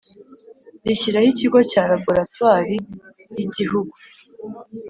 rishyiraho Ikigo cya Laboratwari y Igihugu